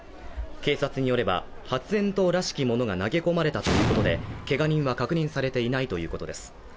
警察によれば、発煙筒らしきものが投げ込まれたということで、けが人は確認されていないということです。